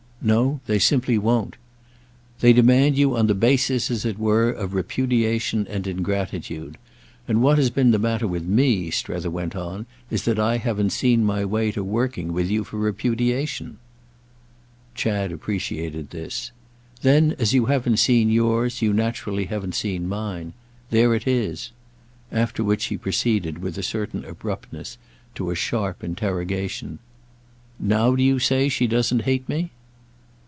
"No, they simply won't." "They demand you on the basis, as it were, of repudiation and ingratitude; and what has been the matter with me," Strether went on, "is that I haven't seen my way to working with you for repudiation." Chad appreciated this. "Then as you haven't seen yours you naturally haven't seen mine. There it is." After which he proceeded, with a certain abruptness, to a sharp interrogation. "Now do you say she doesn't hate me?"